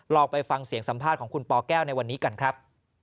ไปฟังเสียงสัมภาษณ์ของคุณปแก้วในวันนี้กันครับ